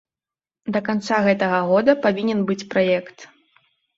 Да канца гэтага года павінен быць праект.